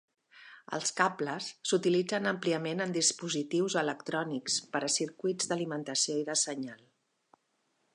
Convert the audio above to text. Els cables s'utilitzen àmpliament en dispositius electrònics per a circuits d'alimentació i de senyal.